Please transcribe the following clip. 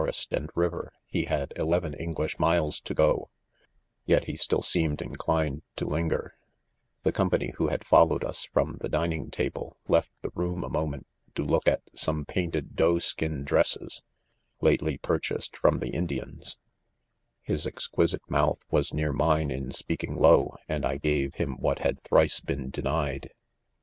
©st and river he had eleven English miles to go 5 yet he still seemed inclined to linger* — the company who had followed us from the dining table, left the room a moment to look at some painted doe skin dresses, lately pur chased from the Indians > his exquisite mouth was near mine in speakiog low, and I gave him what had thrice been denied.